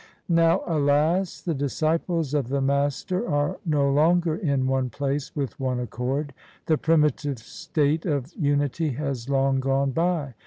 Now, alas! the disciples of the Master are no longer in one place with one accord : the primitive state of unity has long gone by.